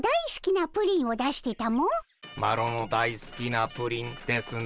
「マロのだいすきなプリン」ですね？